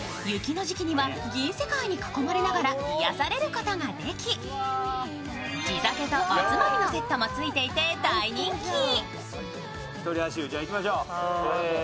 雪の時期には銀世界に囲まれながら癒やされることができ地酒とおつまみのセットもついていて大人気。